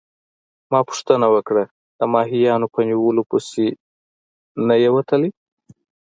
ما پوښتنه وکړه: د ماهیانو په نیولو پسي نه يې وتلی؟